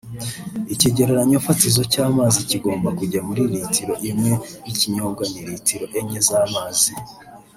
Ikigereranyo fatizo cy’amazi kigomba kujya muri litiro imwe y’ikinyobwa ni Litiro enye z’amazi